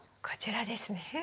こちらですね。